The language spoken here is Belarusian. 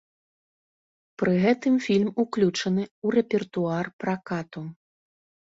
Пры гэтым фільм уключаны ў рэпертуар пракату.